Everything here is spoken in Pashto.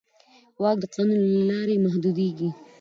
واک د قانون له لارې محدودېږي.